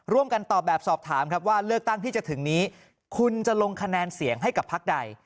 ร่วมกันตอบแบบสอบถามครับว่าเลือกตั้งที่จะถึงนี้คุณจะลงคะแนนเสียงให้กับพักใด